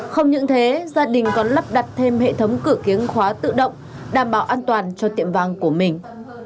không những thế gia đình còn lắp đặt thêm hệ thống cửa khóa tự động đảm bảo an toàn cho tiệm vàng của mình